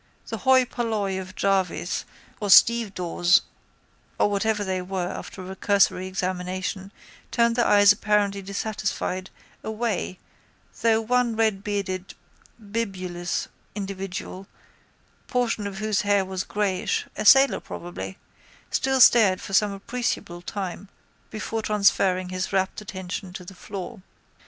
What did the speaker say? The hoi polloi of jarvies or stevedores or whatever they were after a cursory examination turned their eyes apparently dissatisfied, away though one redbearded bibulous individual, portion of whose hair was greyish, a sailor probably, still stared for some appreciable time before transferring his rapt attention to the floor.